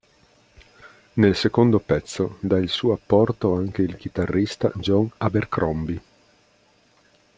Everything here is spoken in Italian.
Nel secondo pezzo dà il suo apporto anche il chitarrista John Abercrombie.